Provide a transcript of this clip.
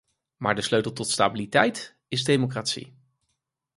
Maar de sleutel tot stabiliteit is democratie.